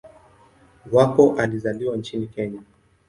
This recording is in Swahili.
Wako alizaliwa nchini Kenya.